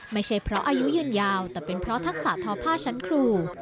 ไม่ใช่เพราะอายุยืนยาวแต่เป็นเพราะทักษะทอผ้าชั้นครู